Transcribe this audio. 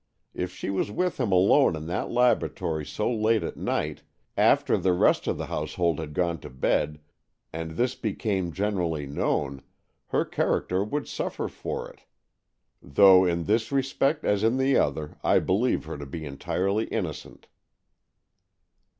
If she was with him alone in that laboratory so late at night, after the rest of the household had gone to bed, and this became generally known, her character would suffer for it — though in this respect as in the other I believe her to be entirely innocent."